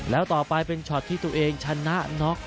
แล้วต่อไปเป็นช็อตที่ตัวเองชนะน็อก